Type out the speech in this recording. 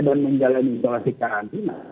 dan menjalani isolasi karantina